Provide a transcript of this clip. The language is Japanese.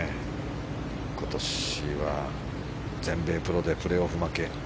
今年は全米プロでプレーオフ負け。